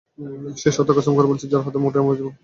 সেই সত্তার কসম করে বলছি, যার হাতের মুঠোয় আমার জীবন।